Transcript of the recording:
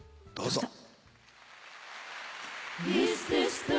どうぞ。